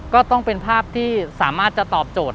ก็ต้องเป็นภาพที่สามารถจะตอบโจทย